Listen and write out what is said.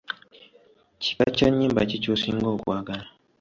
Kika kya nnyimba ki ky'osinga okwagala?